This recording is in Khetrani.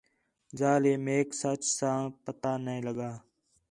ذال ہے میک سچ ساں پتہ نَے لڳا